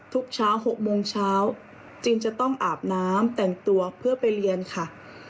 ทุกเช้า๖โมงเช้าจึงจะต้องอาบน้ำแต่งตัวเพื่อไปเรียนค่ะ